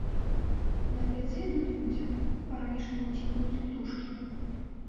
На пляцы ідуць людзі, па-ранішняму ціўкаюць птушкі.